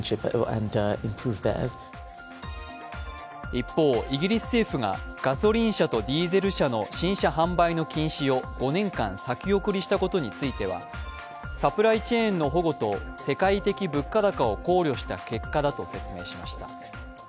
一方、イギリス政府がガソリン車とディーゼル車の新車販売の禁止を５年間先送りしたことについてはサプライチェーンの保護と世界的物価高を考慮した結果だと説明しました。